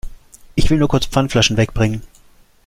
Ich will nur kurz Pfandflaschen wegbringen.